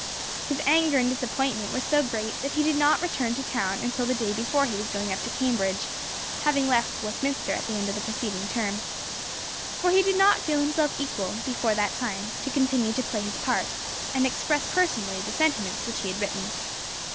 His anger and disappointment were so great that he did not return to town until the day before he was going up to Cambridge having left Westminster at the end of the preceding term for he did not feel himself equal, before that time, to continue to play his part, and to express personally the sentiments which he had written.